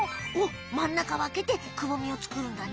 真ん中はあけてくぼみを作るんだね。